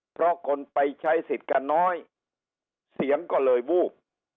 เพราะคนไปใช้สิทธิ์กันน้อยเสียงก็เลยวูบ